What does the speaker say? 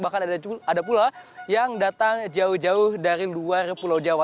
bahkan ada pula yang datang jauh jauh dari luar pulau jawa